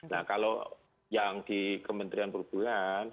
nah kalau yang di kementerian perhubungan